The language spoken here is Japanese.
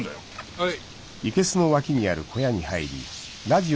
はい。